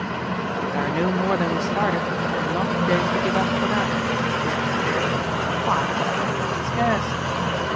"If there are no more than we started we're not going to give up for that," said Griggs coolly. "Why, they're quite scarce."